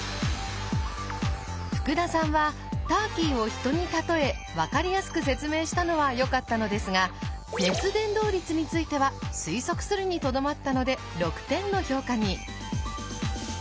福田さんはターキーを人にたとえ分かりやすく説明したのはよかったのですが熱伝導率については推測するにとどまったので６点の評価に。